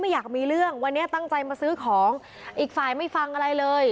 อยากมีเรื่องวันนี้ตั้งใจมาซื้อของอีกฝ่ายไม่ฟังอะไรเลย